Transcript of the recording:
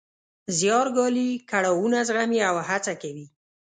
زیار ګالي، کړاوونه زغمي او هڅه کوي.